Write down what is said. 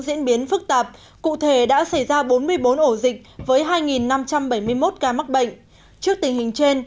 diễn biến phức tạp cụ thể đã xảy ra bốn mươi bốn ổ dịch với hai năm trăm bảy mươi một ca mắc bệnh trước tình hình trên